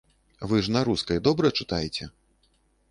Вы ж на рускай добра чытаеце?